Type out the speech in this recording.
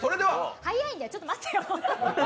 早いんだよ、ちょっと待ってよ。